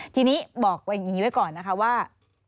ทีนี้บอกอย่างนี้ไว้ก่อนนะคะว่า